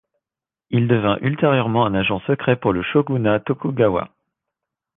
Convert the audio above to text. Il devint ultérieurement un agent secret pour le shogunat Tokugawa.